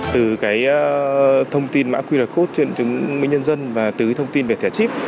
từ thông tin mã qr code trên chứng minh nhân dân và từ thông tin về thẻ chip